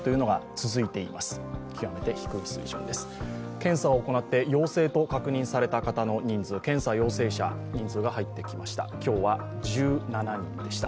検査を行って陽性と確認された方の人数、検査陽性者人数が入ってきました。